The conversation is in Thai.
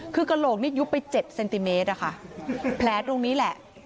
คือกระโหลกนี่ยุบไป๗เซนติเมตรอะค่ะแผลตรงนี้แหละ